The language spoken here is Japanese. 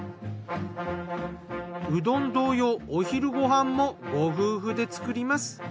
うどん同様お昼ご飯もご夫婦で作ります。